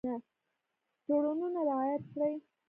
تړونونه رعایت کړي.